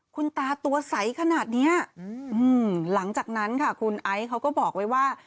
คุณตาตัวใสขนาดเนี้ยอืมหลังจากนั้นค่ะคุณไอซ์เขาก็บอกไว้ว่า